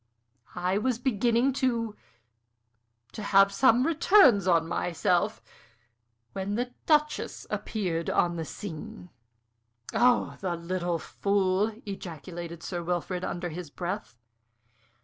I was beginning to to have some returns on myself, when the Duchess appeared on the scene." "Oh, the little fool!" ejaculated Sir Wilfrid, under his breath.